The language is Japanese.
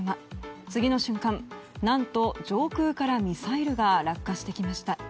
次の瞬間、何と上空からミサイルが落下してきました。